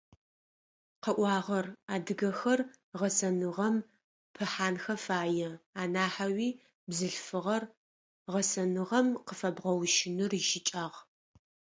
Къыӏуагъэр: адыгэхэр гъэсэныгъэм пыхьанхэ фае, анахьэуи, бзылъфыгъэр гъэсэныгъэм къыфэбгъэущыныр ищыкӏагъ.